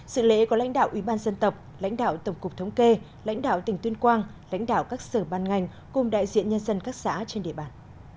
sự lễ có lãnh đạo ủy ban dân tộc lãnh đạo tổng cục thống kê lãnh đạo tỉnh tuyên quang lãnh đạo các sở ban ngành cùng đại diện nhân dân các xã trên địa bàn